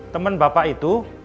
temen bapak itu